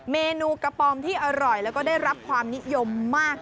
เมนูกระป๋อมที่อร่อยแล้วก็ได้รับความนิยมมาก